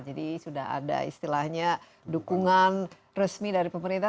jadi sudah ada istilahnya dukungan resmi dari pemerintah